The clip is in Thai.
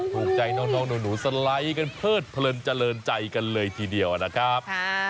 ถูกใจน้องหนูสไลด์กันเพลิดเพลินเจริญใจกันเลยทีเดียวนะครับ